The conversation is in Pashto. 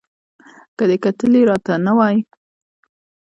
که دې کتلي را ته نه وای